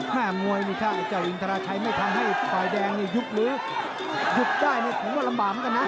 ๕มวยนี่ค่ะอาจารย์อินทราชัยไม่ทำให้ฝ่ายแดงยุบหรือยุบได้หรือว่าลำบากเหมือนกันนะ